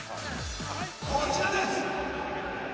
こちらです。